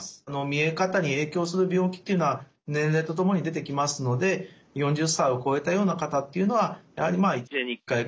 見え方に影響する病気っていうのは年齢とともに出てきますので４０歳を超えたような方っていうのはやはり１年に一回ぐらいですね